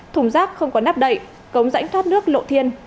thùng rác không có nắp đậy cống rãnh thoát nước lộ thiên